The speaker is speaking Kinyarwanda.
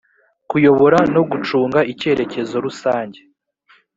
kuyobora no gucunga icyerekezo rusange